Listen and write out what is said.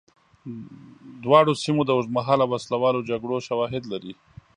دواړو سیمو د اوږدمهاله وسله والو جګړو شواهد لري.